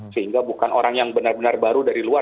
sehingga bukan orang yang benar benar baru dari luar